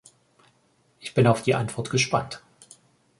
Ich bin auf die Antwort gespannt.